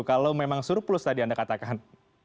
kalau memang surplus tadi anda katakan